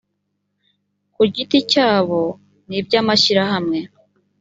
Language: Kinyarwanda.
ku giti cyabo n iby amashyirahamwe